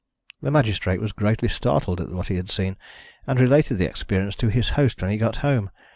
The magistrate was greatly startled at what he had seen, and related the experience to his host when he got home.